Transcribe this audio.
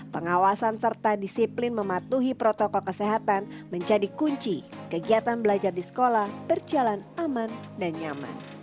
pengawasan serta disiplin mematuhi protokol kesehatan menjadi kunci kegiatan belajar di sekolah berjalan aman dan nyaman